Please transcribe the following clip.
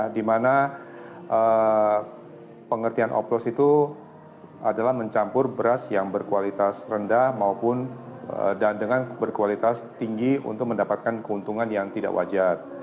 di mana pengertian oplos itu adalah mencampur beras yang berkualitas rendah maupun dan dengan berkualitas tinggi untuk mendapatkan keuntungan yang tidak wajar